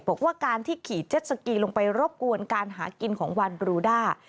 บอกว่าการที่ขี่เจ็ดสกีลงไปรบกวนการหากินของวันบรูด้า